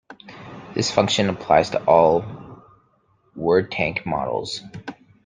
This function applies to all Wordtank models.